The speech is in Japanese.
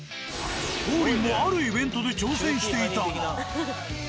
王林もあるイベントで挑戦していたが。